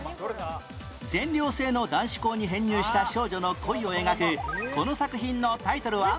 全寮制の男子校に編入した少女の恋を描くこの作品のタイトルは？